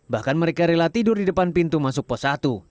bahkan mereka rela tidur di depan pintu masuk pos satu